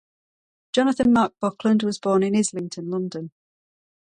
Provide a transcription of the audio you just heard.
Jonathan Mark Buckland was born in Islington, London.